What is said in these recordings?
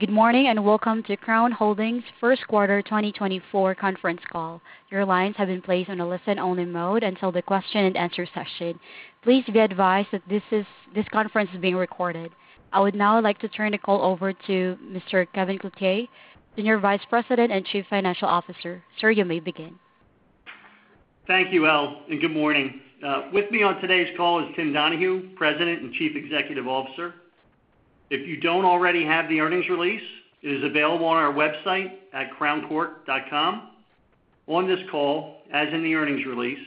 Good morning and welcome to Crown Holdings' first quarter 2024 conference call. Your lines have been placed on a listen-only mode until the question-and-answer session. Please be advised that this conference is being recorded. I would now like to turn the call over to Mr. Kevin Clothier, Senior Vice President and Chief Financial Officer. Sir, you may begin. Thank you, Elle, and good morning. With me on today's call is Tim Donahue, President and Chief Executive Officer. If you don't already have the earnings release, it is available on our website at crowncork.com. On this call, as in the earnings release,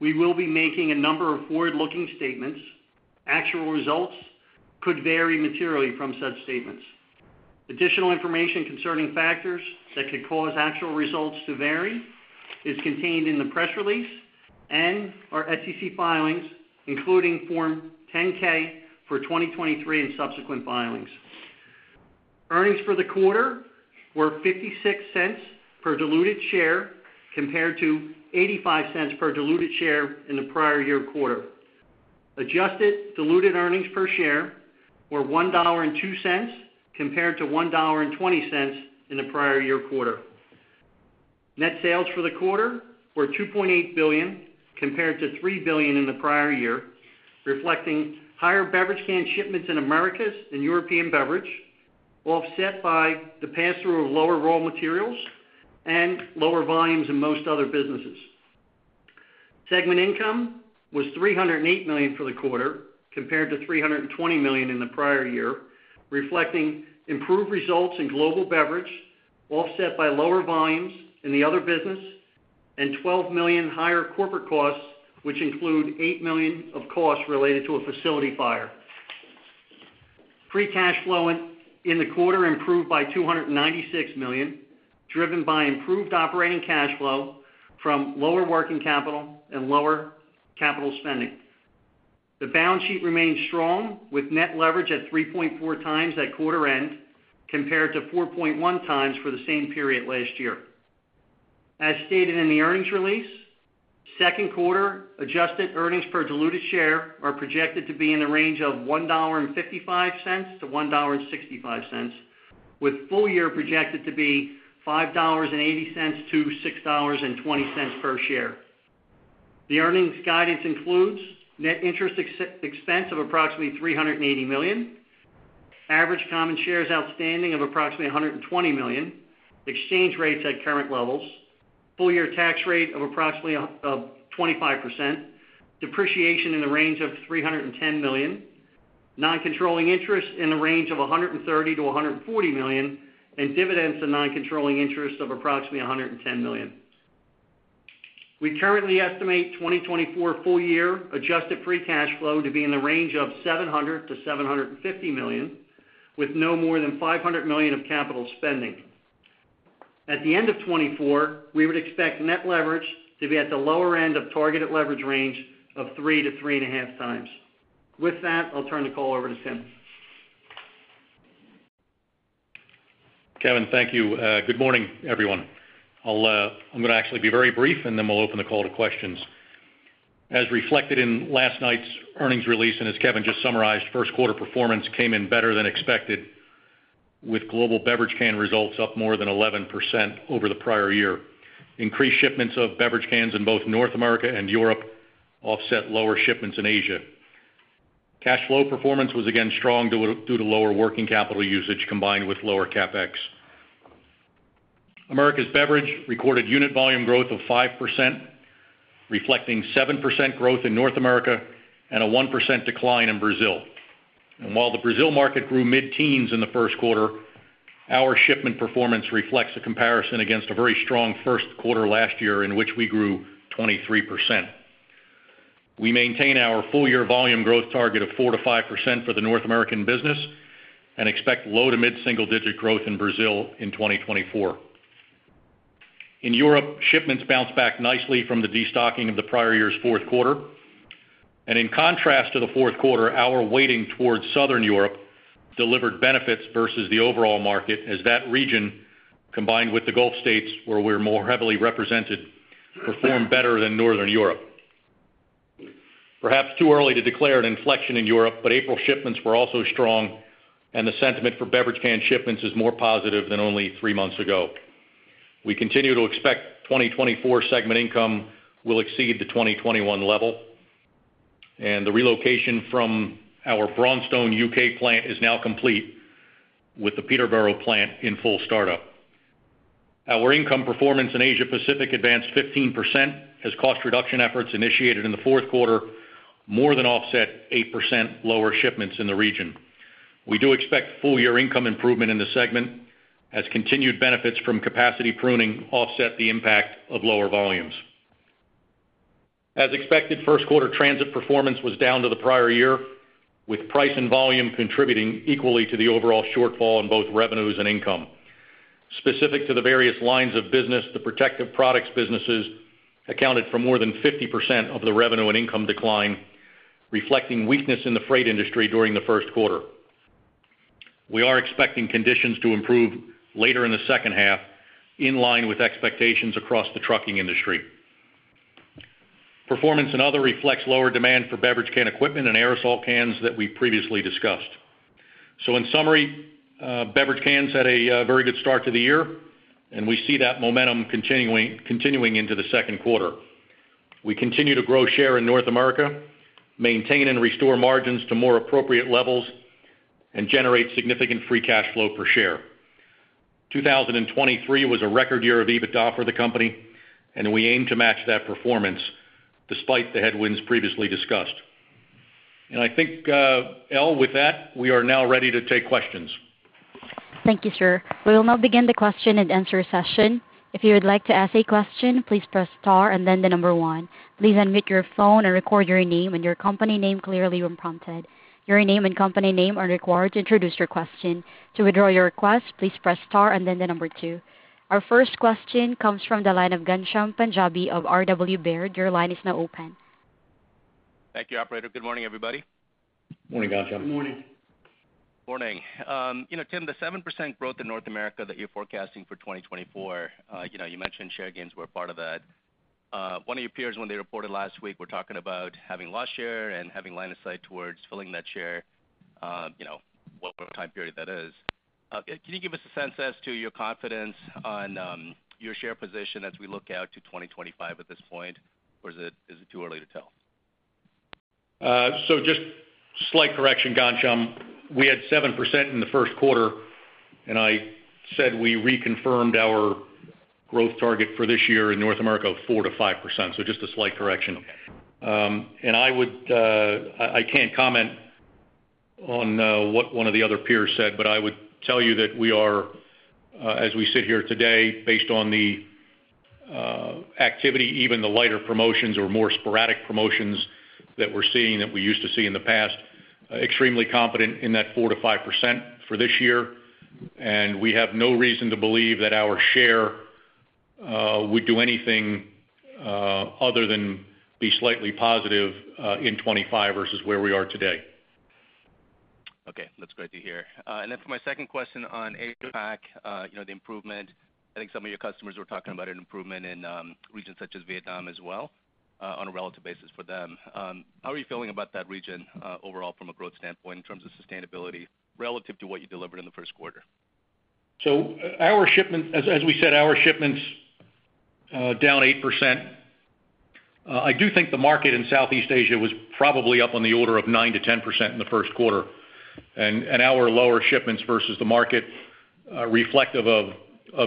we will be making a number of forward-looking statements. Actual results could vary materially from said statements. Additional information concerning factors that could cause actual results to vary is contained in the press release and our SEC filings, including Form 10-K for 2023 and subsequent filings. Earnings for the quarter were $0.56 per diluted share compared to $0.85 per diluted share in the prior year quarter. Adjusted diluted earnings per share were $1.02 compared to $1.20 in the prior year quarter. Net sales for the quarter were $2.8 billion compared to $3 billion in the prior year, reflecting higher beverage can shipments in Americas and European beverage, offset by the pass-through of lower raw materials and lower volumes in most other businesses. Segment income was $308 million for the quarter compared to $320 million in the prior year, reflecting improved results in global beverage, offset by lower volumes in the other business, and $12 million higher corporate costs, which include $8 million of costs related to a facility fire. Free cash flow in the quarter improved by $296 million, driven by improved operating cash flow from lower working capital and lower capital spending. The balance sheet remained strong, with net leverage at 3.4 times at quarter end compared to 4.1 times for the same period last year. As stated in the earnings release, second quarter adjusted earnings per diluted share are projected to be in the range of $1.55-$1.65, with full year projected to be $5.80-$6.20 per share. The earnings guidance includes net interest expense of approximately $380 million, average common shares outstanding of approximately 120 million, exchange rates at current levels, full year tax rate of approximately 25%, depreciation in the range of $310 million, non-controlling interest in the range of $130 million-$140 million, and dividends and non-controlling interest of approximately $110 million. We currently estimate 2024 full year adjusted free cash flow to be in the range of $700 million-$750 million, with no more than $500 million of capital spending. At the end of 2024, we would expect net leverage to be at the lower end of targeted leverage range of 3-3.5 times. With that, I'll turn the call over to Tim. Kevin, thank you. Good morning, everyone. I'm going to actually be very brief, and then we'll open the call to questions. As reflected in last night's earnings release and as Kevin just summarized, first quarter performance came in better than expected, with global beverage can results up more than 11% over the prior year. Increased shipments of beverage cans in both North America and Europe offset lower shipments in Asia. Cash flow performance was again strong due to lower working capital usage combined with lower CapEx. Americas beverage recorded unit volume growth of 5%, reflecting 7% growth in North America and a 1% decline in Brazil. And while the Brazil market grew mid-teens in the first quarter, our shipment performance reflects a comparison against a very strong first quarter last year in which we grew 23%. We maintain our full-year volume growth target of 4%-5% for the North American business and expect low to mid-single digit growth in Brazil in 2024. In Europe, shipments bounced back nicely from the destocking of the prior year's fourth quarter. In contrast to the fourth quarter, our weighting towards southern Europe delivered benefits versus the overall market, as that region, combined with the Gulf States where we're more heavily represented, performed better than northern Europe. Perhaps too early to declare an inflection in Europe, but April shipments were also strong, and the sentiment for beverage can shipments is more positive than only three months ago. We continue to expect 2024 segment income will exceed the 2021 level. The relocation from our Braunstone, U.K. plant is now complete, with the Peterborough plant in full startup. Our income performance in Asia-Pacific advanced 15% as cost reduction efforts initiated in the fourth quarter more than offset 8% lower shipments in the region. We do expect full year income improvement in the segment, as continued benefits from capacity pruning offset the impact of lower volumes. As expected, first quarter Transit performance was down to the prior year, with price and volume contributing equally to the overall shortfall in both revenues and income. Specific to the various lines of business, the protective products businesses accounted for more than 50% of the revenue and income decline, reflecting weakness in the freight industry during the first quarter. We are expecting conditions to improve later in the second half, in line with expectations across the trucking industry. Performance in other reflects lower demand for beverage can equipment and aerosol cans that we previously discussed. In summary, beverage cans had a very good start to the year, and we see that momentum continuing into the second quarter. We continue to grow share in North America, maintain and restore margins to more appropriate levels, and generate significant free cash flow per share. 2023 was a record year of EBITDA for the company, and we aim to match that performance despite the headwinds previously discussed. I think, Elle, with that, we are now ready to take questions. Thank you, sir. We will now begin the question and answer session. If you would like to ask a question, please press star and then the number one. Please unmute your phone and record your name and your company name clearly when prompted. Your name and company name are required to introduce your question. To withdraw your request, please press star and then the number two. Our first question comes from the line of Ghansham Panjabi of R.W. Baird. Your line is now open. Thank you, operator. Good morning, everybody. Morning, Ghansham. Morning. Tim, the 7% growth in North America that you're forecasting for 2024, you mentioned share gains were part of that. One of your peers, when they reported last week, were talking about having lost share and having line of sight towards filling that share, whatever time period that is. Can you give us a sense as to your confidence on your share position as we look out to 2025 at this point, or is it too early to tell? So just slight correction, Ghansham. We had 7% in the first quarter, and I said we reconfirmed our growth target for this year in North America of 4%-5%. So just a slight correction. And I can't comment on what one of the other peers said, but I would tell you that we are, as we sit here today, based on the activity, even the lighter promotions or more sporadic promotions that we're seeing that we used to see in the past, extremely confident in that 4%-5% for this year. And we have no reason to believe that our share would do anything other than be slightly positive in 2025 versus where we are today. Okay. That's great to hear. And then for my second question on APAC, the improvement, I think some of your customers were talking about an improvement in regions such as Vietnam as well on a relative basis for them. How are you feeling about that region overall from a growth standpoint in terms of sustainability relative to what you delivered in the first quarter? So as we said, our shipments down 8%. I do think the market in Southeast Asia was probably up on the order of 9%-10% in the first quarter. And our lower shipments versus the market, reflective of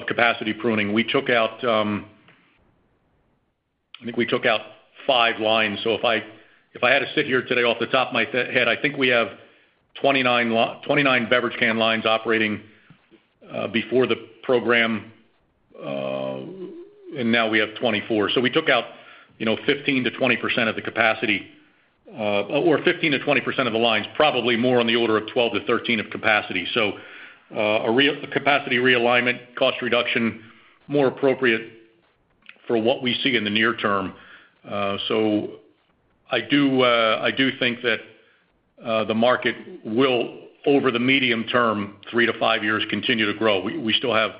capacity pruning, we took out I think we took out 5 lines. So if I had to sit here today off the top of my head, I think we have 29 beverage can lines operating before the program, and now we have 24. So we took out 15%-20% of the capacity or 15%-20% of the lines, probably more on the order of 12%-13% of capacity. So a capacity realignment, cost reduction, more appropriate for what we see in the near term. So I do think that the market will, over the medium term, 3-5 years, continue to grow. We still have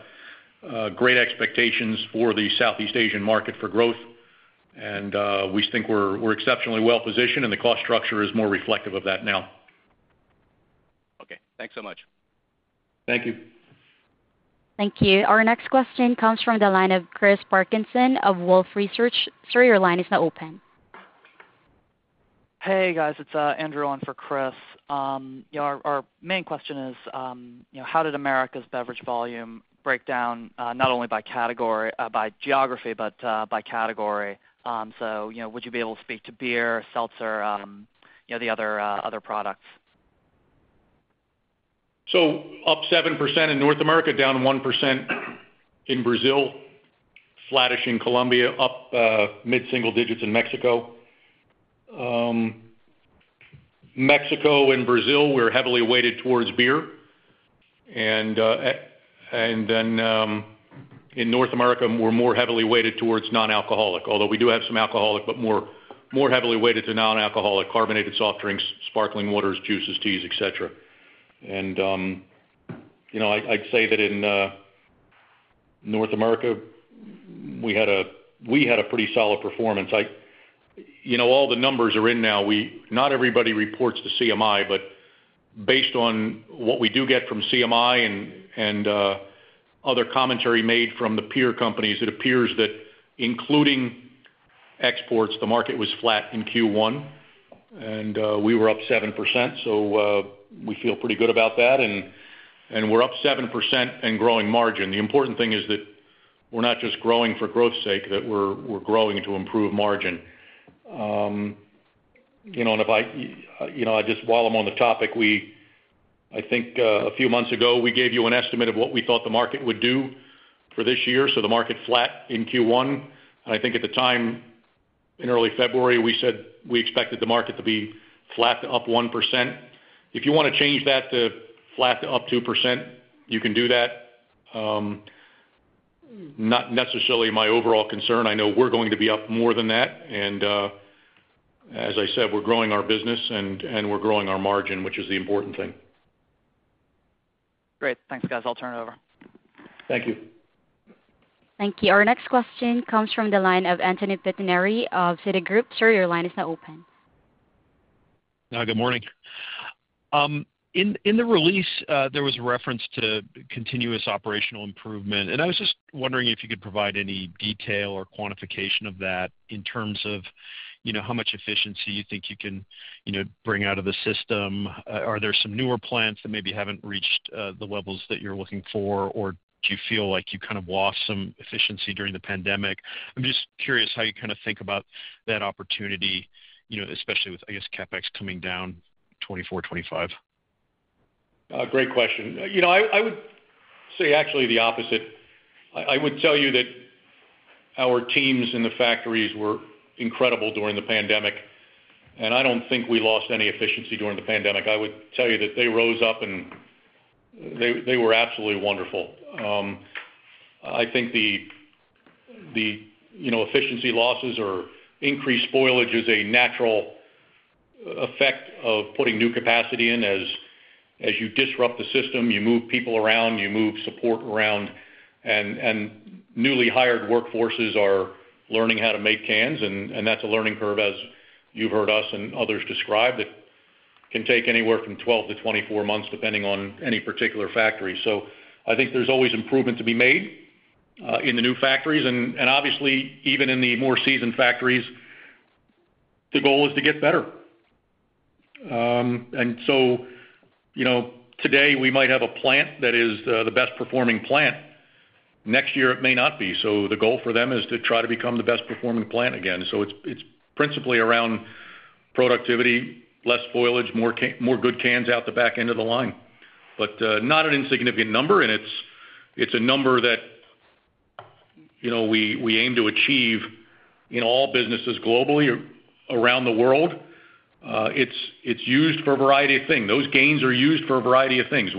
great expectations for the Southeast Asian market for growth, and we think we're exceptionally well positioned, and the cost structure is more reflective of that now. Okay. Thanks so much. Thank you. Thank you. Our next question comes from the line of Chris Parkinson of Wolfe Research. Sir, your line is now open. Hey, guys. It's Andrew on for Chris. Our main question is, how did America's beverage volume break down not only by geography, but by category? So would you be able to speak to beer, seltzer, the other products? So up 7% in North America, down 1% in Brazil, flattish in Colombia, up mid-single digits in Mexico. Mexico and Brazil, we're heavily weighted towards beer. And then in North America, we're more heavily weighted towards non-alcoholic, although we do have some alcoholic, but more heavily weighted to non-alcoholic: carbonated soft drinks, sparkling waters, juices, teas, etc. And I'd say that in North America, we had a pretty solid performance. All the numbers are in now. Not everybody reports the CMI, but based on what we do get from CMI and other commentary made from the peer companies, it appears that, including exports, the market was flat in Q1, and we were up 7%. So we feel pretty good about that. And we're up 7% and growing margin. The important thing is that we're not just growing for growth's sake, that we're growing to improve margin. And if I just while I'm on the topic, I think a few months ago, we gave you an estimate of what we thought the market would do for this year. So the market flat in Q1. And I think at the time, in early February, we said we expected the market to be flat to up 1%. If you want to change that to flat to up 2%, you can do that. Not necessarily my overall concern. I know we're going to be up more than that. And as I said, we're growing our business, and we're growing our margin, which is the important thing. Great. Thanks, guys. I'll turn it over. Thank you. Thank you. Our next question comes from the line of Anthony Pettinari of Citigroup. Sir, your line is now open. Good morning. In the release, there was a reference to continuous operational improvement. I was just wondering if you could provide any detail or quantification of that in terms of how much efficiency you think you can bring out of the system. Are there some newer plants that maybe haven't reached the levels that you're looking for, or do you feel like you kind of lost some efficiency during the pandemic? I'm just curious how you kind of think about that opportunity, especially with, I guess, CapEx coming down 2024, 2025. Great question. I would say actually the opposite. I would tell you that our teams in the factories were incredible during the pandemic, and I don't think we lost any efficiency during the pandemic. I would tell you that they rose up, and they were absolutely wonderful. I think the efficiency losses or increased spoilage is a natural effect of putting new capacity in. As you disrupt the system, you move people around, you move support around, and newly hired workforces are learning how to make cans. And that's a learning curve, as you've heard us and others describe, that can take anywhere from 12-24 months depending on any particular factory. So I think there's always improvement to be made in the new factories. And obviously, even in the more seasoned factories, the goal is to get better. Today, we might have a plant that is the best performing plant. Next year, it may not be. The goal for them is to try to become the best performing plant again. It's principally around productivity, less spoilage, more good cans out the back end of the line, but not an insignificant number. It's a number that we aim to achieve in all businesses globally or around the world. It's used for a variety of things. Those gains are used for a variety of things.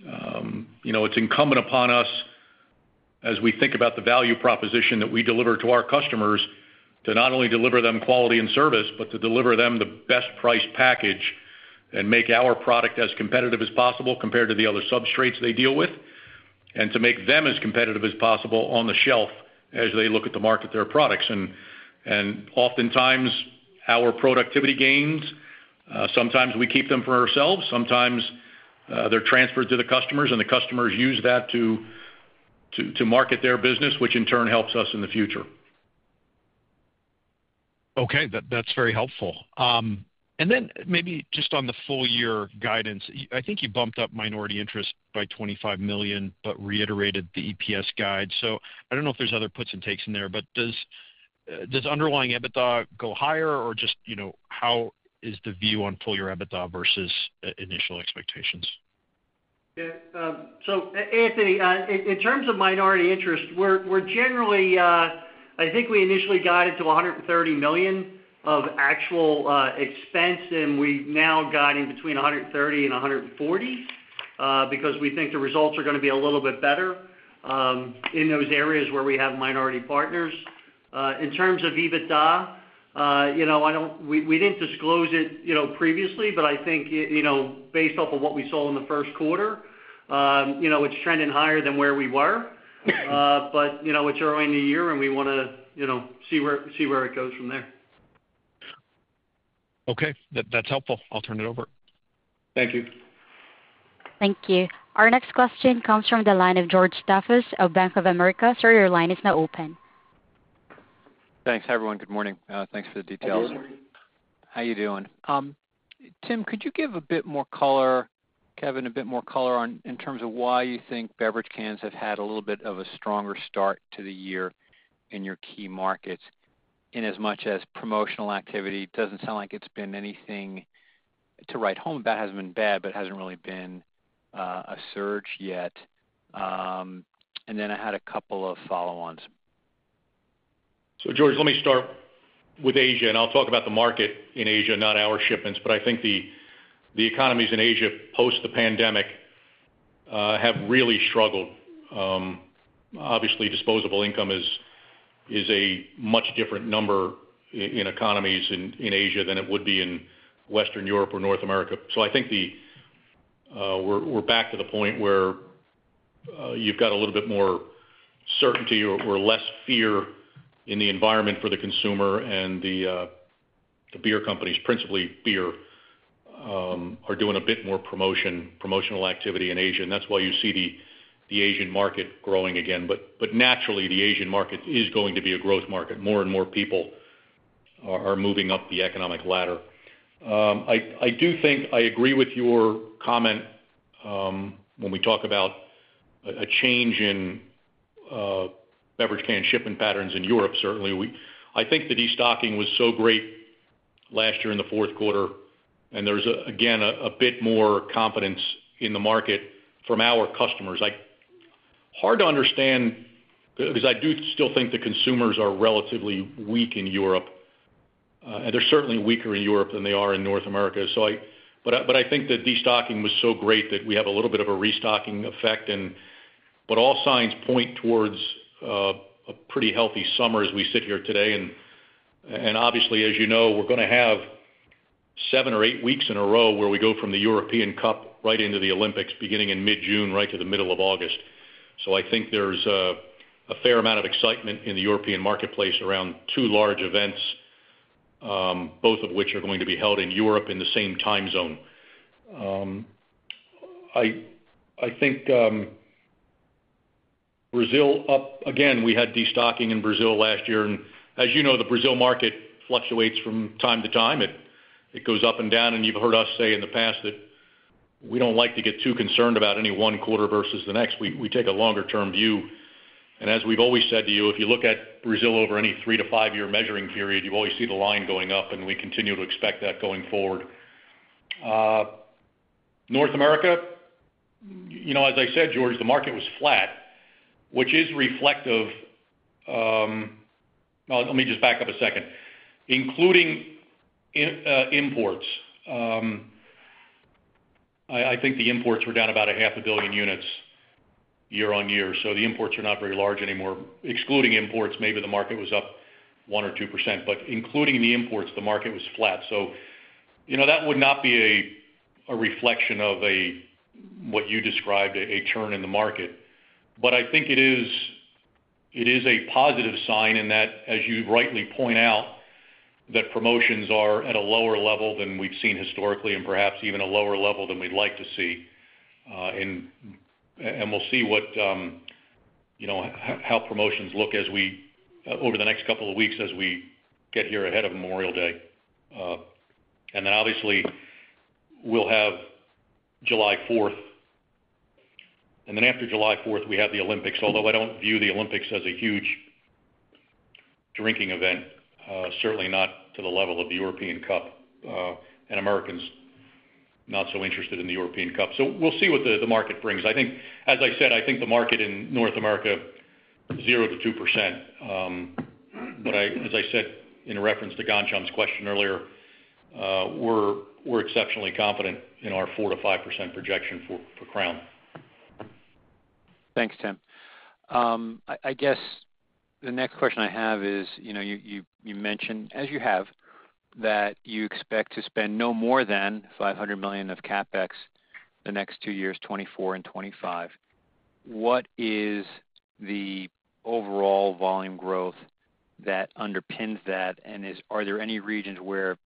It's incumbent upon us, as we think about the value proposition that we deliver to our customers, to not only deliver them quality and service, but to deliver them the best price package and make our product as competitive as possible compared to the other substrates they deal with, and to make them as competitive as possible on the shelf as they look at the market, their products. Oftentimes, our productivity gains, sometimes we keep them for ourselves. Sometimes, they're transferred to the customers, and the customers use that to market their business, which in turn helps us in the future. Okay. That's very helpful. Then maybe just on the full year guidance, I think you bumped up minority interest by $25 million but reiterated the EPS guide. So I don't know if there's other puts and takes in there, but does underlying EBITDA go higher, or just how is the view on full year EBITDA versus initial expectations? Yeah. So Anthony, in terms of minority interest, I think we initially got it to $130 million of actual expense, and we've now got in between $130 million and $140 million because we think the results are going to be a little bit better in those areas where we have minority partners. In terms of EBITDA, we didn't disclose it previously, but I think based off of what we saw in the first quarter, it's trending higher than where we were. But it's early in the year, and we want to see where it goes from there. Okay. That's helpful. I'll turn it over. Thank you. Thank you. Our next question comes from the line of George Staphos of Bank of America. Sir, your line is now open. Thanks, everyone. Good morning. Thanks for the details. Good morning. How are you doing? Tim, could you give a bit more color, Kevin, a bit more color in terms of why you think beverage cans have had a little bit of a stronger start to the year in your key markets? Inasmuch as promotional activity, it doesn't sound like it's been anything to write home about. It hasn't been bad, but it hasn't really been a surge yet. And then I had a couple of follow-ons. So George, let me start with Asia, and I'll talk about the market in Asia, not our shipments. But I think the economies in Asia post the pandemic have really struggled. Obviously, disposable income is a much different number in economies in Asia than it would be in Western Europe or North America. So I think we're back to the point where you've got a little bit more certainty or less fear in the environment for the consumer, and the beer companies, principally beer, are doing a bit more promotional activity in Asia. And that's why you see the Asian market growing again. But naturally, the Asian market is going to be a growth market. More and more people are moving up the economic ladder. I do think I agree with your comment when we talk about a change in beverage can shipment patterns in Europe, certainly. I think the destocking was so great last year in the fourth quarter, and there's, again, a bit more confidence in the market from our customers. Hard to understand because I do still think the consumers are relatively weak in Europe, and they're certainly weaker in Europe than they are in North America. But I think the destocking was so great that we have a little bit of a restocking effect, but all signs point towards a pretty healthy summer as we sit here today. And obviously, as you know, we're going to have seven or eight weeks in a row where we go from the European Cup right into the Olympics beginning in mid-June, right to the middle of August. So I think there's a fair amount of excitement in the European marketplace around two large events, both of which are going to be held in Europe in the same time zone. I think Brazil up. Again, we had destocking in Brazil last year. And as you know, the Brazil market fluctuates from time to time. It goes up and down. And you've heard us say in the past that we don't like to get too concerned about any one quarter versus the next. We take a longer-term view. And as we've always said to you, if you look at Brazil over any 3-5-year measuring period, you always see the line going up, and we continue to expect that going forward. North America, as I said, George, the market was flat, which is reflective. Well, let me just back up a second. Including imports, I think the imports were down about 500 million units year-over-year. So the imports are not very large anymore. Excluding imports, maybe the market was up 1% or 2%. But including the imports, the market was flat. So that would not be a reflection of what you described, a turn in the market. But I think it is a positive sign in that, as you rightly point out, that promotions are at a lower level than we've seen historically and perhaps even a lower level than we'd like to see. And we'll see how promotions look over the next couple of weeks as we get here ahead of Memorial Day. And then obviously, we'll have July 4th. Then after July 4th, we have the Olympics, although I don't view the Olympics as a huge drinking event, certainly not to the level of the European Cup. Americans are not so interested in the European Cup. We'll see what the market brings. As I said, I think the market in North America 0%-2%. As I said in reference to Ghansham's question earlier, we're exceptionally confident in our 4%-5% projection for Crown. Thanks, Tim. I guess the next question I have is you mentioned, as you have, that you expect to spend no more than $500 million of CapEx the next two years, 2024 and 2025. What is the overall volume growth that underpins that? And are there any regions where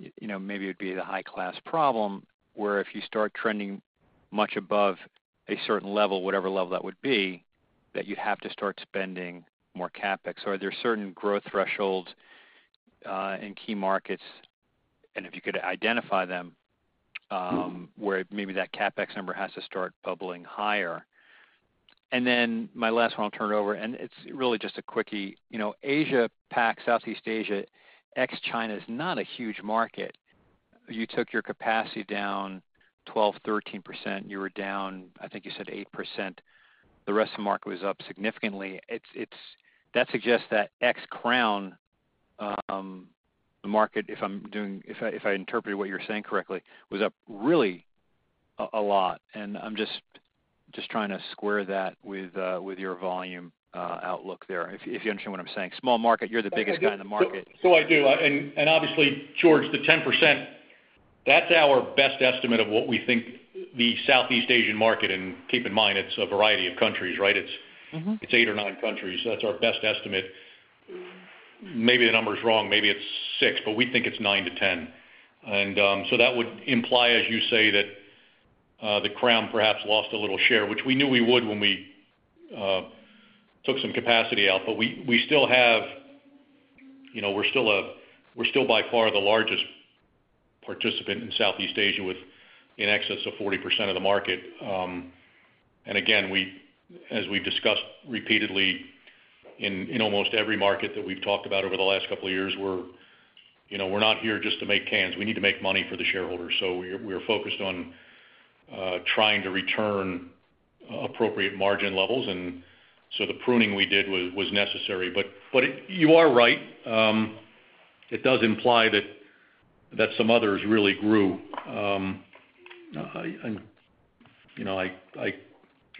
maybe it'd be the high-class problem where if you start trending much above a certain level, whatever level that would be, that you'd have to start spending more CapEx? Are there certain growth thresholds in key markets? And if you could identify them where maybe that CapEx number has to start bubbling higher. And then my last one, I'll turn it over. And it's really just a quickie. Southeast Asia, ex-China is not a huge market. You took your capacity down 12%-13%. You were down, I think you said, 8%. The rest of the market was up significantly. That suggests that ex-Crown, the market, if I interpreted what you're saying correctly, was up really a lot. And I'm just trying to square that with your volume outlook there if you understand what I'm saying. Small market, you're the biggest guy in the market. So I do. And obviously, George, the 10%, that's our best estimate of what we think the Southeast Asian market. And keep in mind, it's a variety of countries, right? It's eight or nine countries. So that's our best estimate. Maybe the number's wrong. Maybe it's six, but we think it's nine to 10. And so that would imply, as you say, that the Crown perhaps lost a little share, which we knew we would when we took some capacity out. But we're still by far the largest participant in Southeast Asia with in excess of 40% of the market. And again, as we've discussed repeatedly in almost every market that we've talked about over the last couple of years, we're not here just to make cans. We need to make money for the shareholders. So we're focused on trying to return appropriate margin levels. The pruning we did was necessary. You are right. It does imply that some others really grew.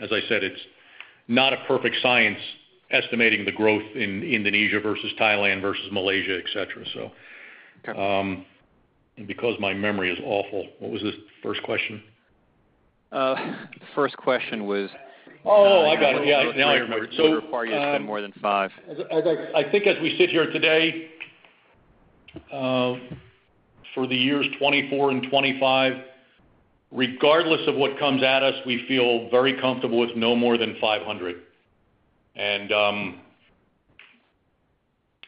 As I said, it's not a perfect science estimating the growth in Indonesia versus Thailand versus Malaysia, etc. Because my memory is awful, what was the first question? The first question was. Oh, I got it. Yeah. Now I remember. We require you to spend more than five. I think as we sit here today, for the years 2024 and 2025, regardless of what comes at us, we feel very comfortable with no more than $500 million. And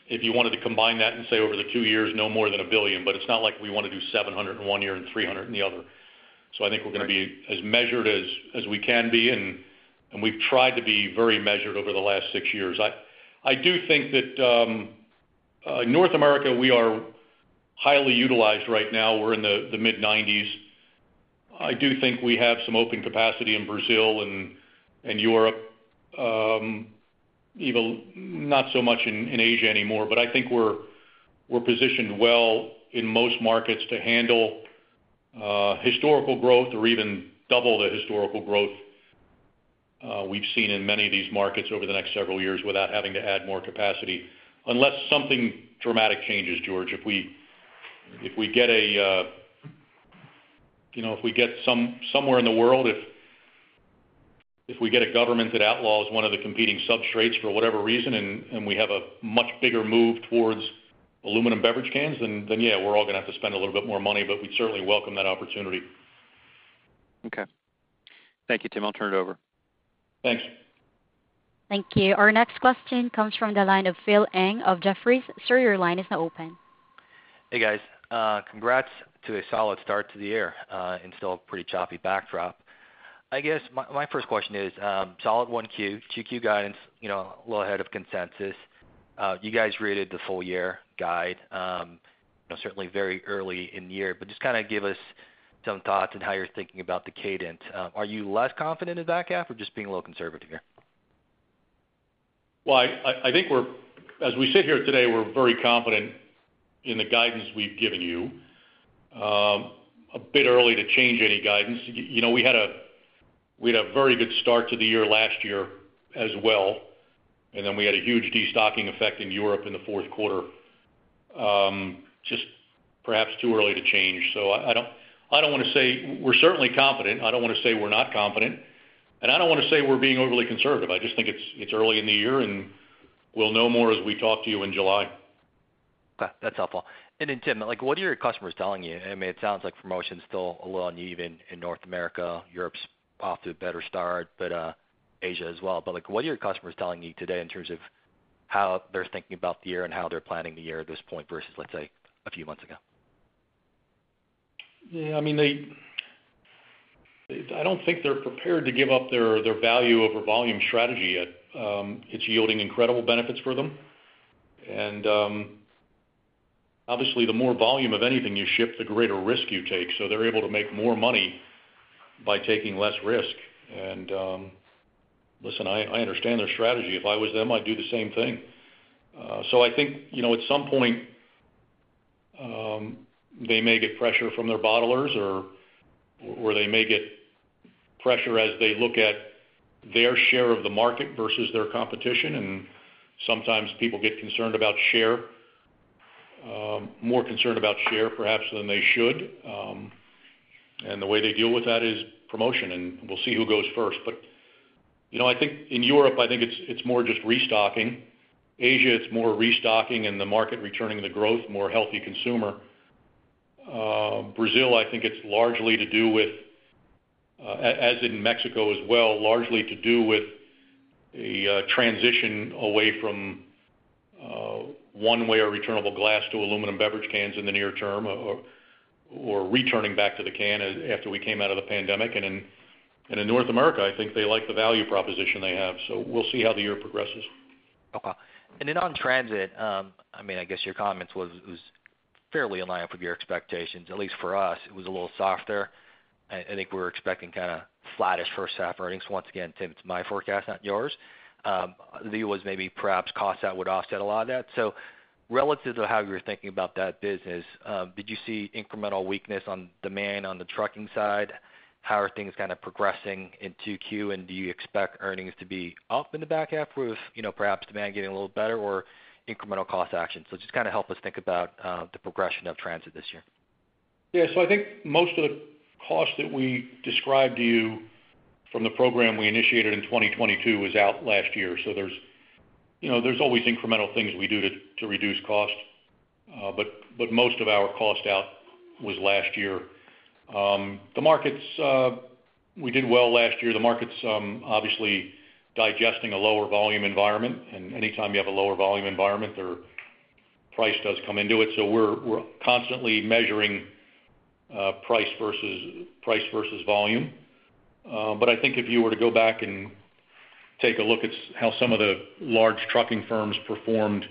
if you wanted to combine that and say over the two years, no more than $1 billion. But it's not like we want to do $700 million in one year and $300 million in the other. So I think we're going to be as measured as we can be. And we've tried to be very measured over the last 6 years. I do think that North America, we are highly utilized right now. We're in the mid-90s%. I do think we have some open capacity in Brazil and Europe, even not so much in Asia anymore. But I think we're positioned well in most markets to handle historical growth or even double the historical growth we've seen in many of these markets over the next several years without having to add more capacity unless something dramatic changes, George. If we get somewhere in the world, if we get a government that outlaws one of the competing substrates for whatever reason, and we have a much bigger move towards aluminum beverage cans, then yeah, we're all going to have to spend a little bit more money. But we'd certainly welcome that opportunity. Okay. Thank you, Tim. I'll turn it over. Thanks. Thank you. Our next question comes from the line of Phil Ng of Jefferies. Sir, your line is now open. Hey, guys. Congrats to a solid start to the year in still a pretty choppy backdrop. I guess my first question is, solid 1Q, 2Q guidance, a little ahead of consensus. You guys raised the full year guide, certainly very early in the year. But just kind of give us some thoughts on how you're thinking about the cadence. Are you less confident in back half or just being a little conservative here? Well, I think as we sit here today, we're very confident in the guidance we've given you. A bit early to change any guidance. We had a very good start to the year last year as well. And then we had a huge destocking effect in Europe in the fourth quarter, just perhaps too early to change. So I don't want to say we're certainly confident. I don't want to say we're not confident. And I don't want to say we're being overly conservative. I just think it's early in the year, and we'll know more as we talk to you in July. That's helpful. Then, Tim, what are your customers telling you? I mean, it sounds like promotion's still a little uneven in North America. Europe's off to a better start, but Asia as well. What are your customers telling you today in terms of how they're thinking about the year and how they're planning the year at this point versus, let's say, a few months ago? Yeah. I mean, I don't think they're prepared to give up their value-over-volume strategy yet. It's yielding incredible benefits for them. And obviously, the more volume of anything you ship, the greater risk you take. So they're able to make more money by taking less risk. And listen, I understand their strategy. If I was them, I'd do the same thing. So I think at some point, they may get pressure from their bottlers, or they may get pressure as they look at their share of the market versus their competition. And sometimes people get concerned about share, more concerned about share perhaps than they should. And the way they deal with that is promotion. And we'll see who goes first. But I think in Europe, I think it's more just restocking. Asia, it's more restocking and the market returning the growth, more healthy consumer. Brazil, I think it's largely to do with as in Mexico as well, largely to do with a transition away from one-way or returnable glass to aluminum beverage cans in the near term or returning back to the can after we came out of the pandemic. And in North America, I think they like the value proposition they have. So we'll see how the year progresses. Okay. And then on Transit, I mean, I guess your comments were fairly in line with your expectations. At least for us, it was a little softer. I think we were expecting kind of flattish first half earnings. Once again, Tim, it's my forecast, not yours. There was maybe perhaps cost out would offset a lot of that. So relative to how you were thinking about that business, did you see incremental weakness on demand on the trucking side? How are things kind of progressing in 2Q? And do you expect earnings to be up in the back half with perhaps demand getting a little better or incremental cost action? So just kind of help us think about the progression of Transit this year. Yeah. So I think most of the cost that we described to you from the program we initiated in 2022 was out last year. So there's always incremental things we do to reduce cost. But most of our cost out was last year. We did well last year. The market's obviously digesting a lower volume environment. And anytime you have a lower volume environment, their price does come into it. So we're constantly measuring price versus volume. But I think if you were to go back and take a look at how some of the large trucking firms performed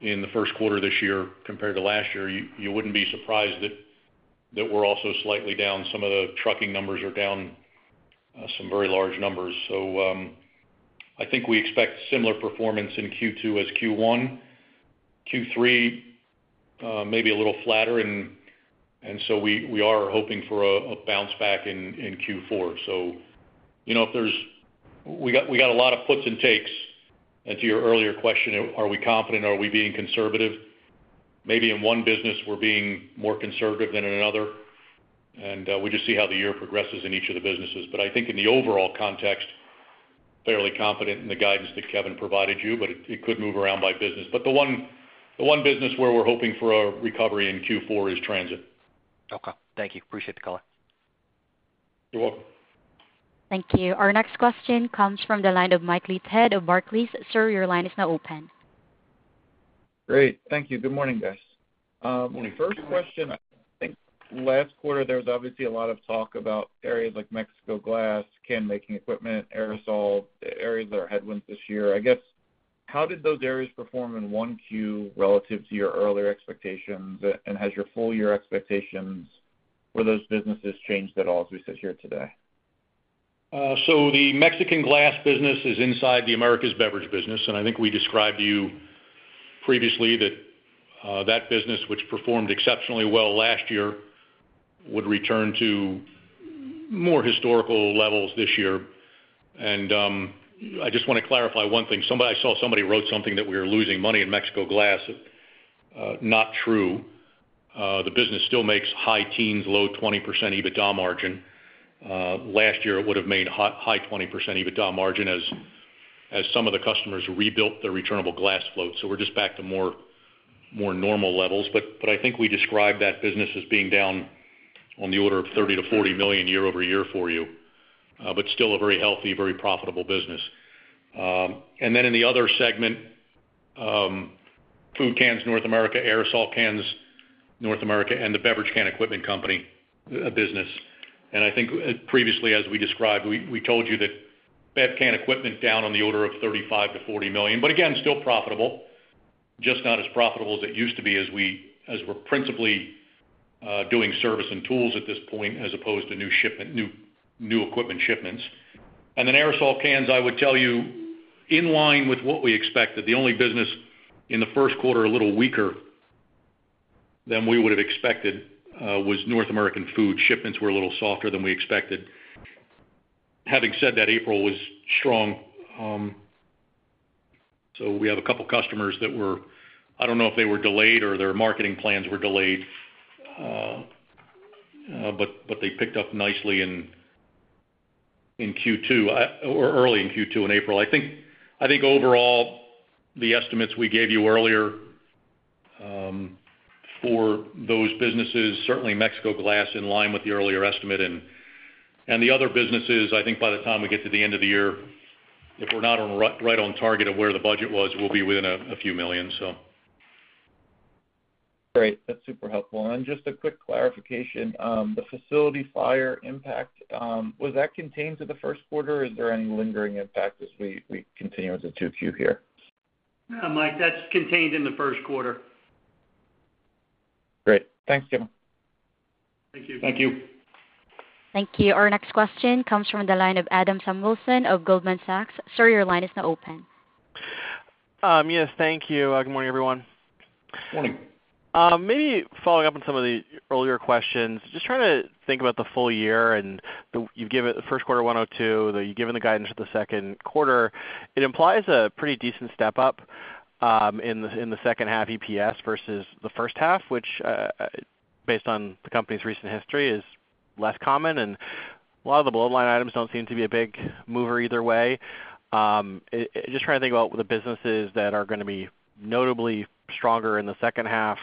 in the first quarter this year compared to last year, you wouldn't be surprised that we're also slightly down. Some of the trucking numbers are down, some very large numbers. So I think we expect similar performance in Q2 as Q1. Q3, maybe a little flatter. We are hoping for a bounce back in Q4. So, if there's, we got a lot of puts and takes. To your earlier question, are we confident? Are we being conservative? Maybe in one business, we're being more conservative than in another. We just see how the year progresses in each of the businesses. But I think in the overall context, fairly confident in the guidance that Kevin provided you. But it could move around by business. But the one business where we're hoping for a recovery in Q4 is Transit. Okay. Thank you. Appreciate the call. You're welcome. Thank you. Our next question comes from the line of Mike Leithead of Barclays. Sir, your line is now open. Great. Thank you. Good morning, guys. My first question, I think last quarter, there was obviously a lot of talk about areas like Mexico Glass, can making equipment, aerosol, areas that are headwinds this year. I guess how did those areas perform in 1Q relative to your earlier expectations? Has your full year expectations for those businesses changed at all as we sit here today? So the Mexican glass business is inside the Americas beverage business. And I think we described to you previously that that business, which performed exceptionally well last year, would return to more historical levels this year. And I just want to clarify one thing. I saw somebody wrote something that we were losing money in Mexico glass. Not true. The business still makes high teens, low 20% EBITDA margin. Last year, it would have made high 20% EBITDA margin as some of the customers rebuilt their returnable glass float. So we're just back to more normal levels. But I think we described that business as being down on the order of $30 million-$40 million year over year for you, but still a very healthy, very profitable business. And then in the other segment, food cans, North America, aerosol cans, North America, and the beverage can equipment company business. I think previously, as we described, we told you that beverage can equipment down on the order of $35 million-$40 million. But again, still profitable, just not as profitable as it used to be as we're principally doing service and tools at this point as opposed to new equipment shipments. And then aerosol cans, I would tell you, in line with what we expected, the only business in the first quarter a little weaker than we would have expected was North American food. Shipments were a little softer than we expected. Having said that, April was strong. So we have a couple of customers that were I don't know if they were delayed or their marketing plans were delayed, but they picked up nicely in Q2 or early in Q2 in April. I think overall, the estimates we gave you earlier for those businesses, certainly Mexico Glass, in line with the earlier estimate. And the other businesses, I think by the time we get to the end of the year, if we're not right on target of where the budget was, we'll be within a few million, so. Great. That's super helpful. Just a quick clarification, the facility fire impact, was that contained to the first quarter? Is there any lingering impact as we continue into 2Q here? Mike, that's contained in the first quarter. Great. Thanks, Tim. Thank you. Thank you. Thank you. Our next question comes from the line of Adam Samuelson of Goldman Sachs. Sir, your line is now open. Yes. Thank you. Good morning, everyone. Morning. Maybe following up on some of the earlier questions, just trying to think about the full year. You've given the first quarter 102. You've given the guidance for the second quarter. It implies a pretty decent step up in the second half EPS versus the first half, which based on the company's recent history, is less common. A lot of the bottom line items don't seem to be a big mover either way. Just trying to think about the businesses that are going to be notably stronger in the second half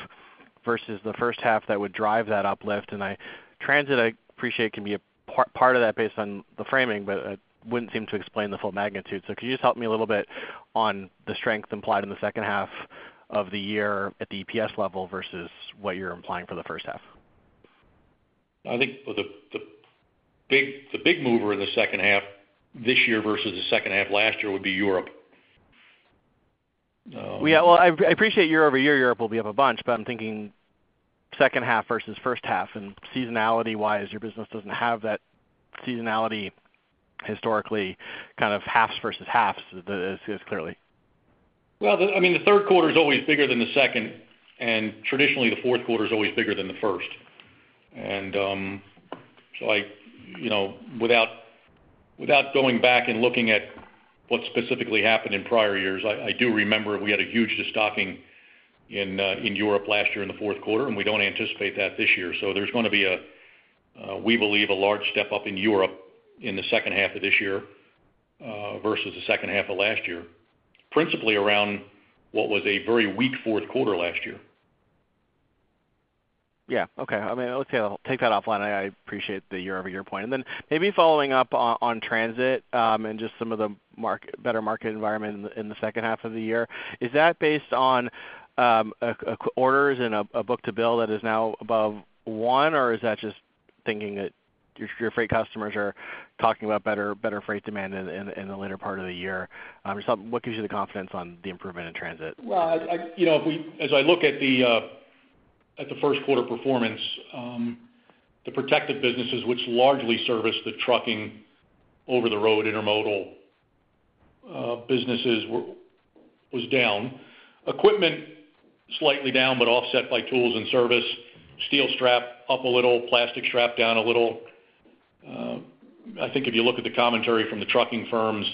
versus the first half that would drive that uplift. Transit, I appreciate, can be a part of that based on the framing, but it wouldn't seem to explain the full magnitude. Could you just help me a little bit on the strength implied in the second half of the year at the EPS level versus what you're implying for the first half? I think the big mover in the second half this year versus the second half last year would be Europe. Yeah. Well, I appreciate year-over-year. Europe will be up a bunch. But I'm thinking second half versus first half. And seasonality-wise, your business doesn't have that seasonality historically, kind of halves versus halves, clearly. Well, I mean, the third quarter is always bigger than the second. Traditionally, the fourth quarter is always bigger than the first. So without going back and looking at what specifically happened in prior years, I do remember we had a huge destocking in Europe last year in the fourth quarter. And we don't anticipate that this year. So there's going to be a, we believe, a large step up in Europe in the second half of this year versus the second half of last year, principally around what was a very weak fourth quarter last year. Yeah. Okay. I mean, let's take that offline. I appreciate the year-over-year point. And then maybe following up on Transit and just some of the better market environment in the second half of the year, is that based on orders and a book to bill that is now above one? Or is that just thinking that your freight customers are talking about better freight demand in the later part of the year? What gives you the confidence on the improvement in Transit? Well, as I look at the first quarter performance, the protective businesses, which largely service the trucking over-the-road intermodal businesses, was down. Equipment slightly down but offset by tools and service. Steel strap up a little, plastic strap down a little. I think if you look at the commentary from the trucking firms,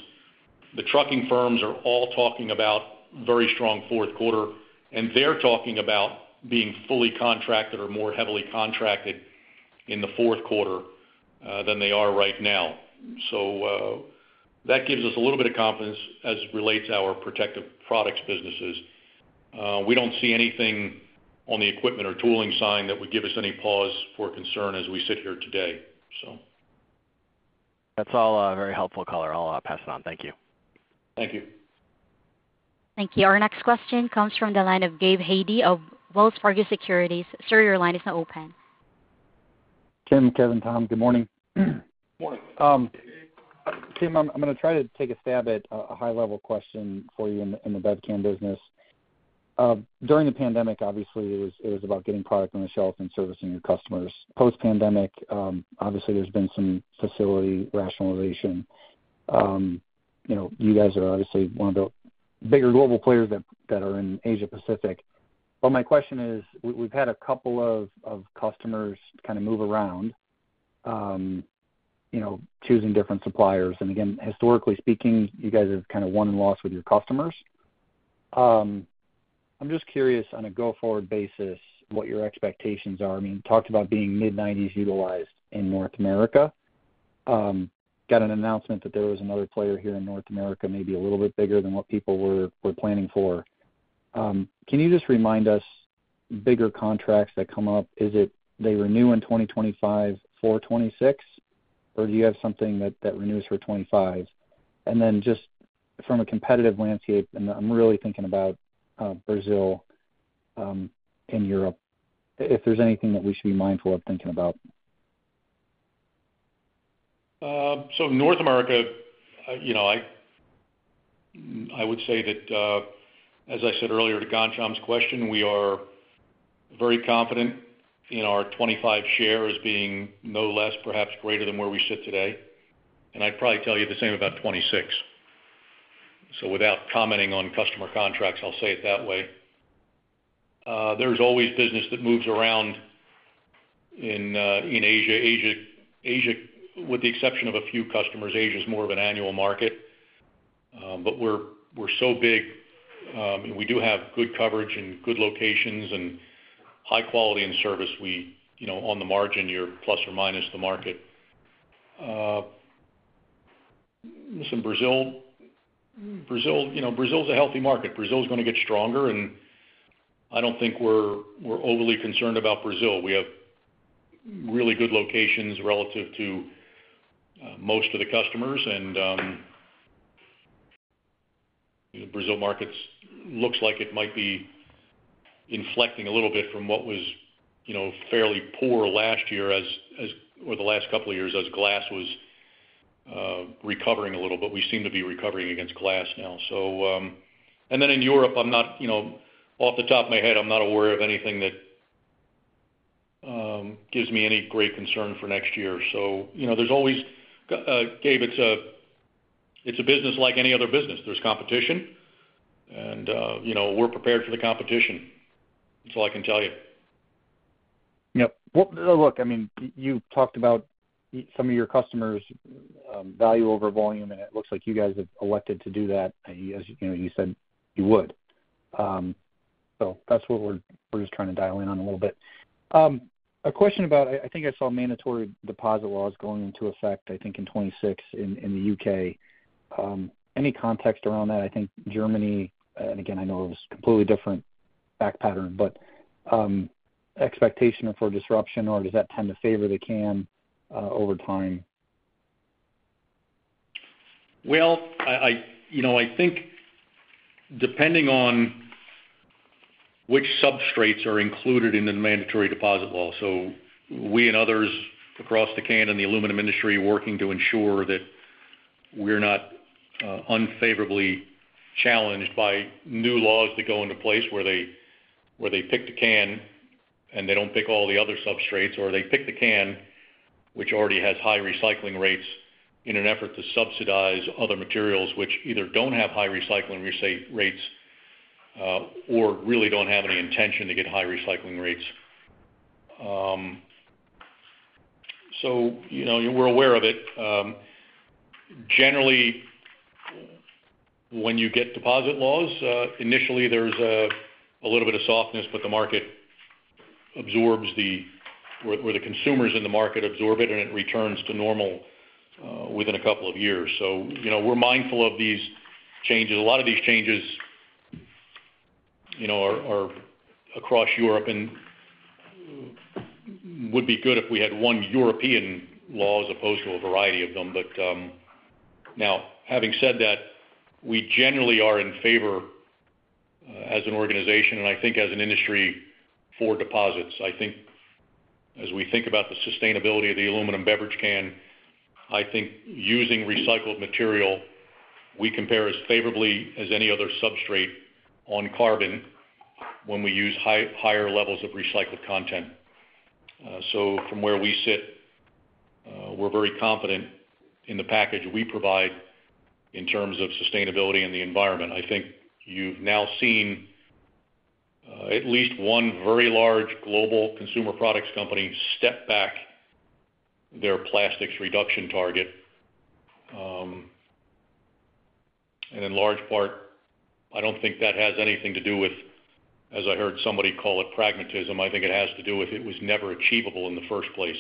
the trucking firms are all talking about very strong fourth quarter. And they're talking about being fully contracted or more heavily contracted in the fourth quarter than they are right now. So that gives us a little bit of confidence as relates to our protective products businesses. We don't see anything on the equipment or tooling side that would give us any pause for concern as we sit here today, so. That's all very helpful color. I'll pass it on. Thank you. Thank you. Thank you. Our next question comes from the line of Gabe Hajde of Wells Fargo Securities. Sir, your line is now open. Tim, Kevin, Tom. Good morning. Morning. Tim, I'm going to try to take a stab at a high-level question for you in the beverage can business. During the pandemic, obviously, it was about getting product on the shelf and servicing your customers. Post-pandemic, obviously, there's been some facility rationalization. You guys are obviously one of the bigger global players that are in Asia-Pacific. But my question is, we've had a couple of customers kind of move around choosing different suppliers. And again, historically speaking, you guys have kind of won and lost with your customers. I'm just curious, on a go-forward basis, what your expectations are. I mean, talked about being mid-90s% utilized in North America. Got an announcement that there was another player here in North America, maybe a little bit bigger than what people were planning for. Can you just remind us, bigger contracts that come up, is it they renew in 2025 for 2026? Or do you have something that renews for 2025? And then just from a competitive landscape, and I'm really thinking about Brazil and Europe, if there's anything that we should be mindful of thinking about. So North America, I would say that, as I said earlier to Ghansham's question, we are very confident in our 25% share as being no less, perhaps greater than where we sit today. And I'd probably tell you the same about 2026. So without commenting on customer contracts, I'll say it that way. There's always business that moves around in Asia, with the exception of a few customers. Asia is more of an annual market. But we're so big. We do have good coverage and good locations and high quality and service. On the margin, you're plus or minus the market. Listen, Brazil is a healthy market. Brazil is going to get stronger. And I don't think we're overly concerned about Brazil. We have really good locations relative to most of the customers. The Brazil market looks like it might be inflecting a little bit from what was fairly poor last year or the last couple of years as glass was recovering a little. But we seem to be recovering against glass now, so. Then in Europe, off the top of my head, I'm not aware of anything that gives me any great concern for next year. So there's always, Gabe, it's a business like any other business. There's competition. We're prepared for the competition, that's all I can tell you. Yep. Look, I mean, you talked about some of your customers' value over volume. And it looks like you guys have elected to do that, as you said you would. So that's what we're just trying to dial in on a little bit. A question about I think I saw mandatory deposit laws going into effect, I think, in 2026 in the U.K. Any context around that? I think Germany and again, I know it was a completely different fact pattern, but expectation for disruption? Or does that tend to favor the can over time? Well, I think depending on which substrates are included in the mandatory deposit law, so we and others across the can and the aluminum industry [are] working to ensure that we're not unfavorably challenged by new laws that go into place where they pick the can and they don't pick all the other substrates. Or they pick the can, which already has high recycling rates, in an effort to subsidize other materials, which either don't have high recycling rates or really don't have any intention to get high recycling rates. So we're aware of it. Generally, when you get deposit laws, initially, there's a little bit of softness. But the market absorbs it, or the consumers in the market absorb it. And it returns to normal within a couple of years. So we're mindful of these changes. A lot of these changes are across Europe. It would be good if we had one European law as opposed to a variety of them. But now, having said that, we generally are in favor as an organization and I think as an industry for deposits. I think as we think about the sustainability of the aluminum beverage can, I think using recycled material, we compare as favorably as any other substrate on carbon when we use higher levels of recycled content. So from where we sit, we're very confident in the package we provide in terms of sustainability and the environment. I think you've now seen at least one very large global consumer products company step back their plastics reduction target. And in large part, I don't think that has anything to do with, as I heard somebody call it, pragmatism. I think it has to do with it was never achievable in the first place.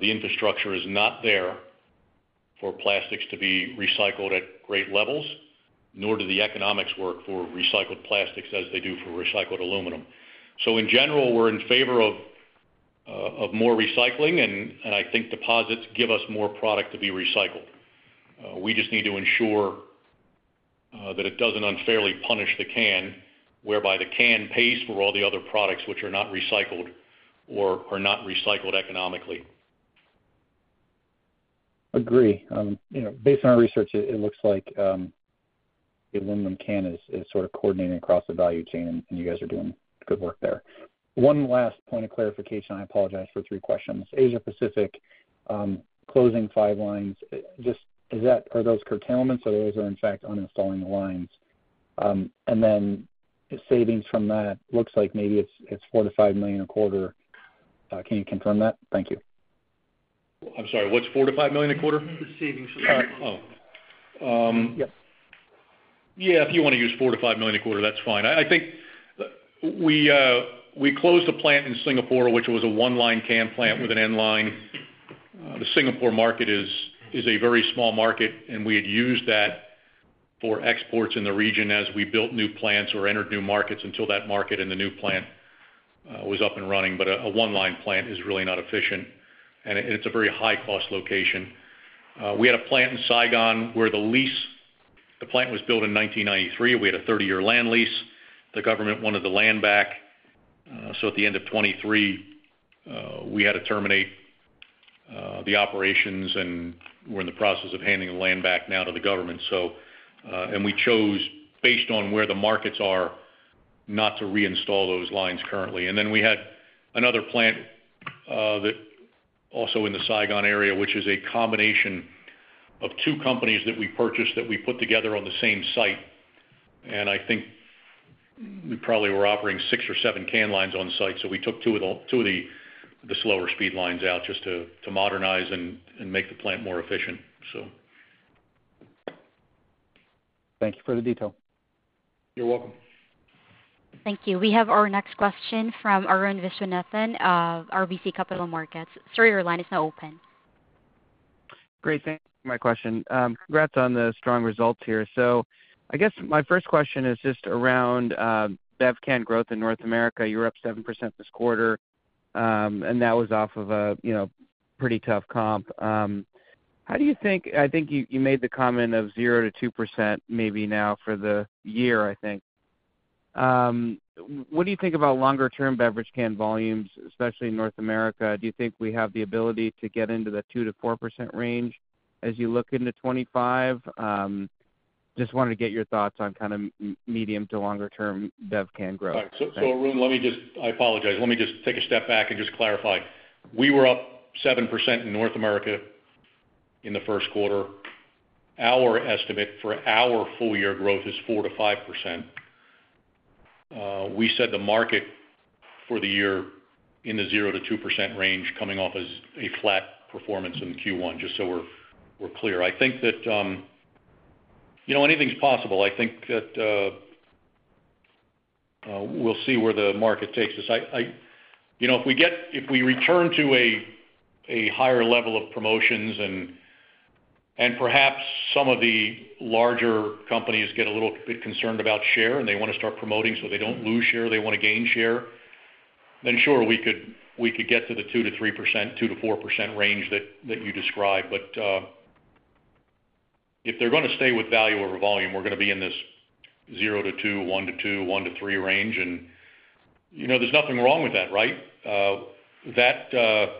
The infrastructure is not there for plastics to be recycled at great levels, nor do the economics work for recycled plastics as they do for recycled aluminum. So in general, we're in favor of more recycling. And I think deposits give us more product to be recycled. We just need to ensure that it doesn't unfairly punish the can, whereby the can pays for all the other products which are not recycled or are not recycled economically. Agree. Based on our research, it looks like the aluminum can is sort of coordinating across the value chain. And you guys are doing good work there. One last point of clarification. I apologize for three questions. Asia-Pacific, closing five lines, are those curtailments? Or those are, in fact, uninstalling the lines? And then savings from that, looks like maybe it's $4 million-$5 million a quarter. Can you confirm that? Thank you. I'm sorry. What's $4 million-5 million a quarter? The savings. Yeah. Oh. Yes. Yeah. If you want to use $4 million-$5 million a quarter, that's fine. I think we closed a plant in Singapore, which was a one-line can plant with an end line. The Singapore market is a very small market. We had used that for exports in the region as we built new plants or entered new markets until that market and the new plant was up and running. But a one-line plant is really not efficient. It's a very high-cost location. We had a plant in Saigon where the lease, the plant was built in 1993. We had a 30-year land lease. The government wanted the land back. So at the end of 2023, we had to terminate the operations. We're in the process of handing the land back now to the government, so. We chose, based on where the markets are, not to reinstall those lines currently. And then we had another plant also in the Saigon area, which is a combination of two companies that we purchased that we put together on the same site. And I think we probably were operating six or seven can lines on site. So we took two of the slower-speed lines out just to modernize and make the plant more efficient, so. Thank you for the detail. You're welcome. Thank you. We have our next question from Arun Viswanathan, RBC Capital Markets. Sir, your line is now open. Great. Thanks for my question. Congrats on the strong results here. So I guess my first question is just around bev can growth in North America. You were up 7% this quarter. And that was off of a pretty tough comp. How do you think I think you made the comment of 0%-2% maybe now for the year, I think. What do you think about longer-term beverage can volumes, especially in North America? Do you think we have the ability to get into the 2%-4% range as you look into 2025? Just wanted to get your thoughts on kind of medium to longer-term bev can growth. All right. So Arun, let me just. I apologize. Let me just take a step back and just clarify. We were up 7% in North America in the first quarter. Our estimate for our full-year growth is 4%-5%. We said the market for the year in the 0%-2% range coming off as a flat performance in Q1, just so we're clear. I think that anything's possible. I think that we'll see where the market takes us. If we return to a higher level of promotions and perhaps some of the larger companies get a little bit concerned about share and they want to start promoting so they don't lose share, they want to gain share, then sure, we could get to the 2%-3%, 2%-4% range that you describe. But if they're going to stay with value over volume, we're going to be in this 0-2, 1-2, 1-3 range. And there's nothing wrong with that, right? That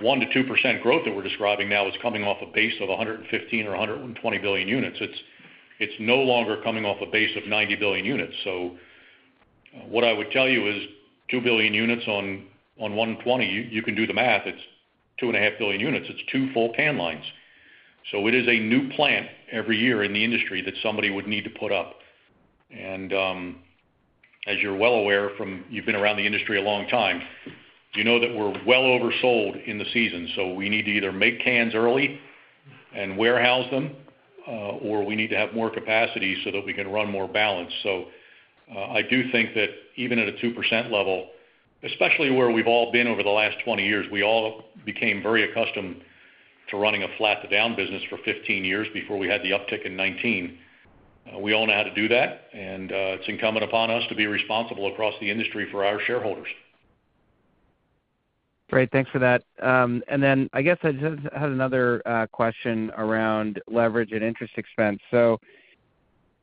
1%-2% growth that we're describing now is coming off a base of 115 billion or 120 billion units. It's no longer coming off a base of 90 billion units. So what I would tell you is 2 billion units on 120 billion, you can do the math. It's 2.5 billion units. It's 2 full can lines. So it is a new plant every year in the industry that somebody would need to put up. And as you're well aware, you've been around the industry a long time, you know that we're well oversold in the season. We need to either make cans early and warehouse them, or we need to have more capacity so that we can run more balance. I do think that even at a 2% level, especially where we've all been over the last 20 years, we all became very accustomed to running a flat-to-down business for 15 years before we had the uptick in 2019. We all know how to do that. It's incumbent upon us to be responsible across the industry for our shareholders. Great. Thanks for that. And then I guess I just had another question around leverage and interest expense. So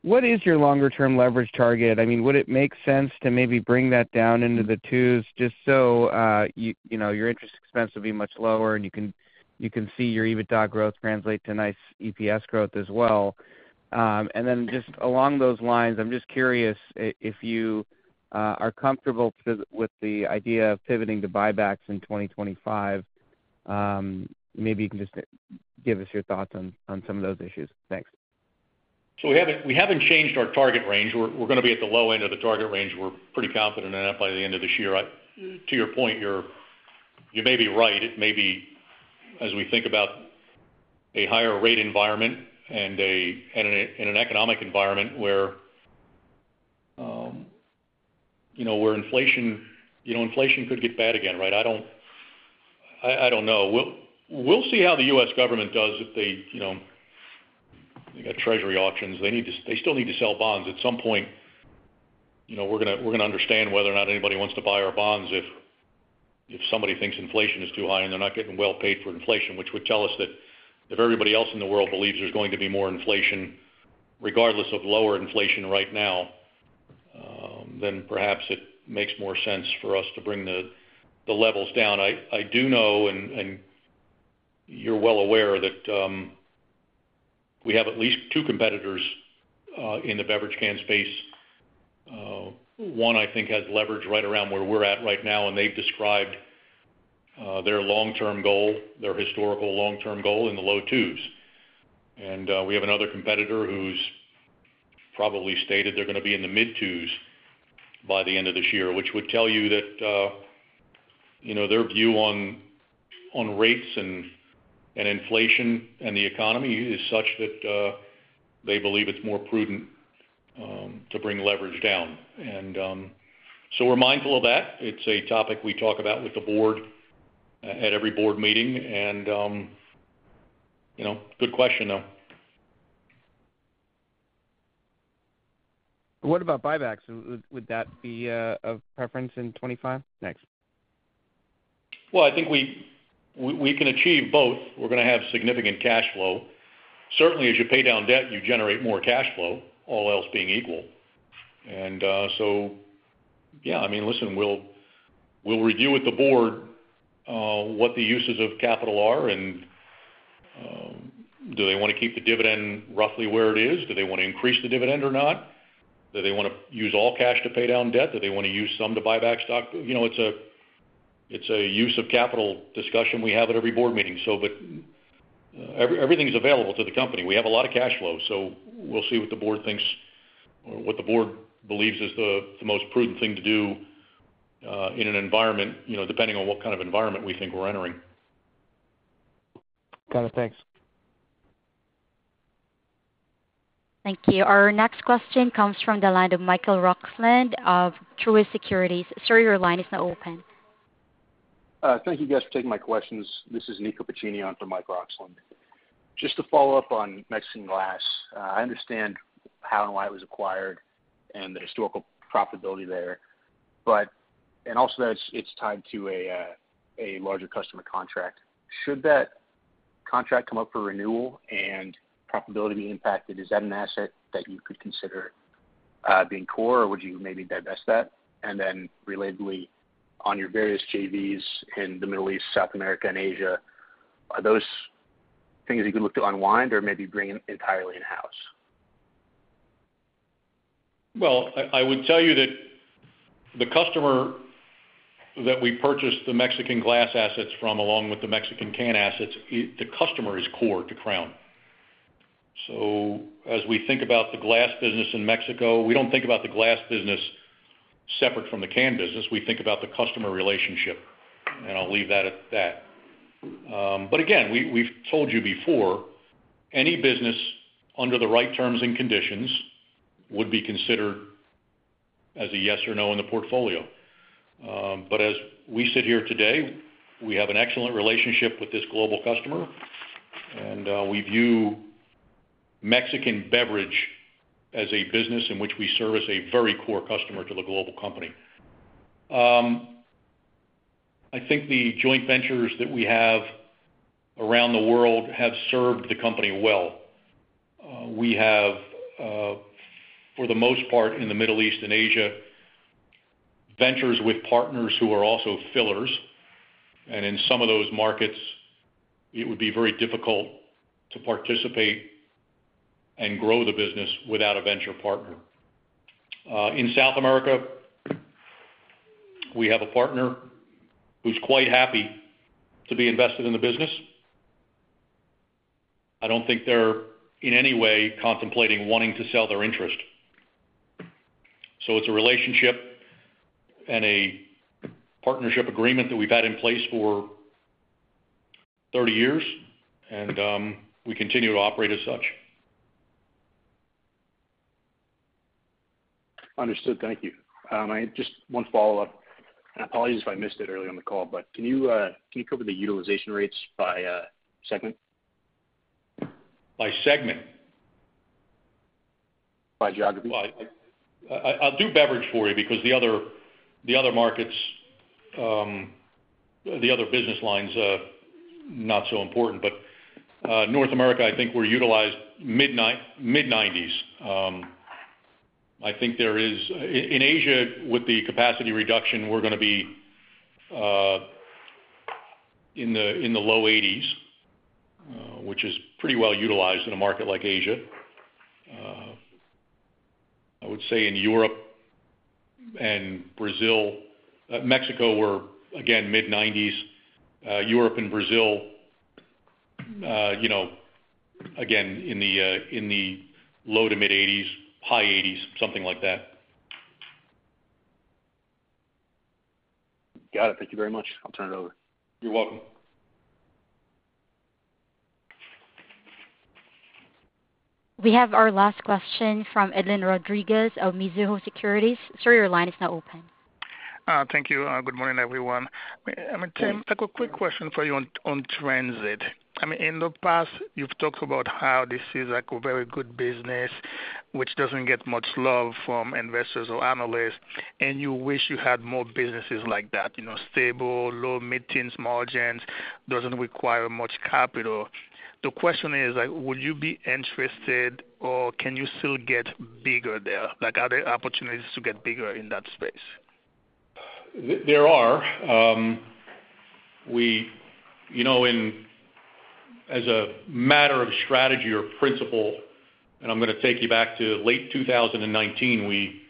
what is your longer-term leverage target? I mean, would it make sense to maybe bring that down into the twos just so your interest expense would be much lower? And you can see your EBITDA growth translate to nice EPS growth as well. And then just along those lines, I'm just curious if you are comfortable with the idea of pivoting to buybacks in 2025. Maybe you can just give us your thoughts on some of those issues. Thanks. So we haven't changed our target range. We're going to be at the low end of the target range. We're pretty confident in that by the end of this year. To your point, you may be right. It may be, as we think about a higher-rate environment and in an economic environment where inflation could get bad again, right? I don't know. We'll see how the U.S. government does if they got Treasury auctions. They still need to sell bonds. At some point, we're going to understand whether or not anybody wants to buy our bonds if somebody thinks inflation is too high and they're not getting well paid for inflation, which would tell us that if everybody else in the world believes there's going to be more inflation, regardless of lower inflation right now, then perhaps it makes more sense for us to bring the levels down. I do know and you're well aware that we have at least two competitors in the beverage can space. One, I think, has leverage right around where we're at right now. And they've described their long-term goal, their historical long-term goal in the low 2s. And we have another competitor who's probably stated they're going to be in the mid-2s by the end of this year, which would tell you that their view on rates and inflation and the economy is such that they believe it's more prudent to bring leverage down. And so we're mindful of that. It's a topic we talk about with the board at every board meeting. And good question, though. What about buybacks? Would that be of preference in 2025? Next. Well, I think we can achieve both. We're going to have significant cash flow. Certainly, as you pay down debt, you generate more cash flow, all else being equal. And so yeah, I mean, listen, we'll review with the board what the uses of capital are. And do they want to keep the dividend roughly where it is? Do they want to increase the dividend or not? Do they want to use all cash to pay down debt? Do they want to use some to buy back stock? It's a use of capital discussion we have at every board meeting. But everything's available to the company. We have a lot of cash flow. So we'll see what the board thinks or what the board believes is the most prudent thing to do in an environment, depending on what kind of environment we think we're entering. Got it. Thanks. Thank you. Our next question comes from the line of Michael Roxland of Truist Securities. Sir, your line is now open. Thank you guys for taking my questions. This is Nico Pacini on from Michael Roxland. Just to follow up on Mexican glass, I understand how and why it was acquired and the historical profitability there. And also, it's tied to a larger customer contract. Should that contract come up for renewal and profitability be impacted, is that an asset that you could consider being core? Or would you maybe divest that? And then relatedly, on your various JVs in the Middle East, South America, and Asia, are those things you could look to unwind or maybe bring entirely in-house? Well, I would tell you that the customer that we purchased the Mexican glass assets from, along with the Mexican can assets, the customer is core to Crown. So as we think about the glass business in Mexico, we don't think about the glass business separate from the can business. We think about the customer relationship. And I'll leave that at that. But again, we've told you before, any business under the right terms and conditions would be considered as a yes or no in the portfolio. But as we sit here today, we have an excellent relationship with this global customer. And we view Mexican beverage as a business in which we service a very core customer to the global company. I think the joint ventures that we have around the world have served the company well. We have, for the most part, in the Middle East and Asia, ventures with partners who are also fillers. In some of those markets, it would be very difficult to participate and grow the business without a venture partner. In South America, we have a partner who's quite happy to be invested in the business. I don't think they're, in any way, contemplating wanting to sell their interest. It's a relationship and a partnership agreement that we've had in place for 30 years. We continue to operate as such. Understood. Thank you. Just one follow-up. And apologies if I missed it earlier on the call. But can you cover the utilization rates by segment? By segment? By geography? Well, I'll do beverage for you because the other markets, the other business lines, not so important. But North America, I think, were utilized mid-90s%. I think there is in Asia, with the capacity reduction, we're going to be in the low 80s%, which is pretty well utilized in a market like Asia. I would say in Europe and Brazil, Mexico, we're, again, mid-90s%. Europe and Brazil, again, in the low-to-mid-80s%, high 80s%, something like that. Got it. Thank you very much. I'll turn it over. You're welcome. We have our last question from Edlain Rodriguez of Mizuho Securities. Sir, your line is now open. Thank you. Good morning, everyone. I mean, Tim, I've got a quick question for you on Transit. I mean, in the past, you've talked about how this is a very good business, which doesn't get much love from investors or analysts. You wish you had more businesses like that, stable, low-teens margins, doesn't require much capital. The question is, would you be interested, or can you still get bigger there? Are there opportunities to get bigger in that space? There are. As a matter of strategy or principle, and I'm going to take you back to late 2019, we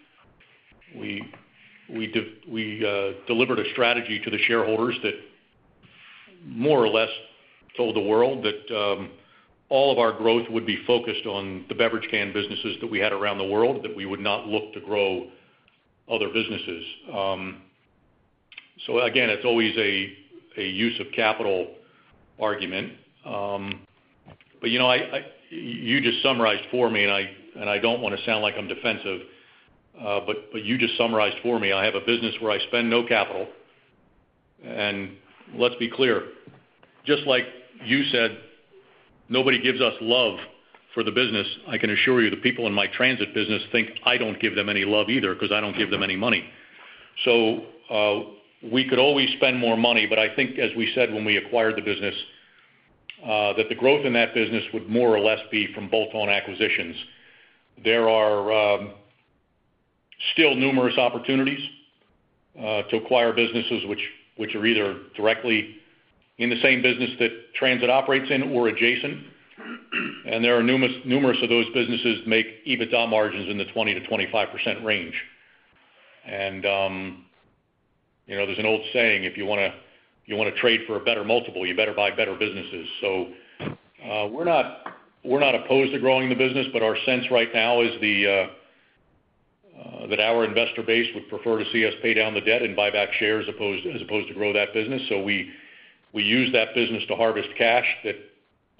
delivered a strategy to the shareholders that more or less told the world that all of our growth would be focused on the beverage can businesses that we had around the world, that we would not look to grow other businesses. So again, it's always a use of capital argument. But you just summarized for me, and I don't want to sound like I'm defensive. But you just summarized for me, I have a business where I spend no capital. And let's be clear. Just like you said, nobody gives us love for the business. I can assure you, the people in my Transit business think I don't give them any love either because I don't give them any money. So we could always spend more money. But I think, as we said when we acquired the business, that the growth in that business would more or less be from bolt-on acquisitions. There are still numerous opportunities to acquire businesses which are either directly in the same business that Transit operates in or adjacent. And there are numerous of those businesses that make EBITDA margins in the 20%-25% range. And there's an old saying, "If you want to trade for a better multiple, you better buy better businesses." So we're not opposed to growing the business. But our sense right now is that our investor base would prefer to see us pay down the debt and buy back shares as opposed to grow that business. So we use that business to harvest cash that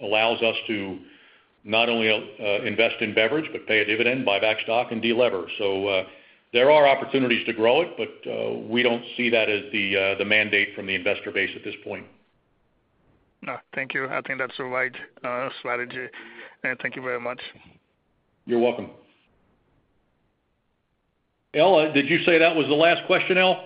allows us to not only invest in Beverage but pay a dividend, buy back stock, and de-lever. There are opportunities to grow it. We don't see that as the mandate from the investor base at this point. Thank you. I think that's a right strategy. Thank you very much. You're welcome. Ella, did you say that was the last question, Ella?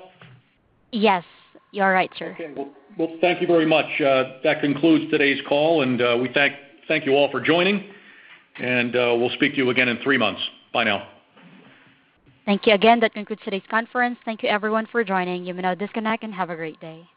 Yes. You're right, sir. Okay. Well, thank you very much. That concludes today's call. We thank you all for joining. We'll speak to you again in three months. Bye now. Thank you again. That concludes today's conference. Thank you, everyone, for joining. You may now disconnect and have a great day.